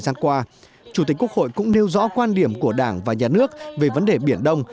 gian qua chủ tịch quốc hội cũng nêu rõ quan điểm của đảng và nhà nước về vấn đề biển đông